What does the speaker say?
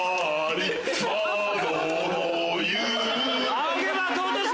『仰げば尊し』。